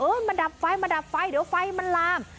เออมาดับไฟเดี๋ยวไฟมันลาม